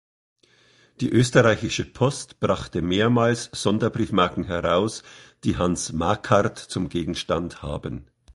Die österreichische Post brachte mehrmals Sonderbriefmarken heraus, die Hans Makart zum Gegenstand haben.